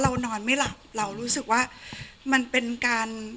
นอนไม่หลับเรารู้สึกว่ามันเป็นการ